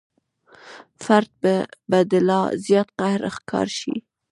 فرد به د لا زیات قهر ښکار شي.